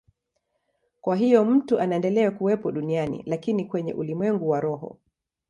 Kwa hiyo mtu anaendelea kuwepo duniani, lakini kwenye ulimwengu wa roho.